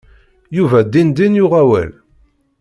Yuba dindin yuɣ awal.